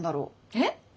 えっ？